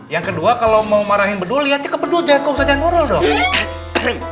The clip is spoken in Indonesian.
yang kedua kalau mau marahin bedul liatnya ke bedul deh ke ustadz zanurul dong